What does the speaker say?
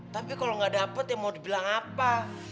tapi kalau gak dapet ya mau dibilang apa